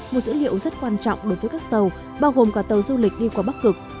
một dữ liệu rất quan trọng đối với các tàu bao gồm cả tàu du lịch đi qua bắc cực